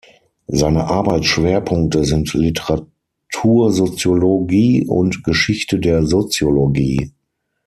Seine Arbeitsschwerpunkte sind Literatursoziologie und Geschichte der Soziologie.